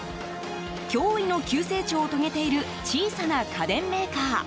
驚異の急成長を遂げている小さな家電メーカー。